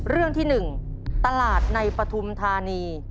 เรื่องที่๑ตลาดในปฐุมธานี